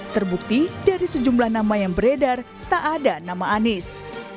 terbukti dari sejumlah nama yang beredar tak ada nama anies